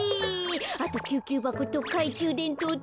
あときゅうきゅうばことかいちゅうでんとうと